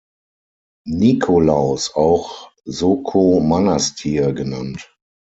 Nikolaus auch Soko Manastir genannt.